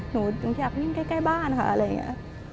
หนูอยากวิ่งใกล้บ้านค่ะอะไรอย่างนี้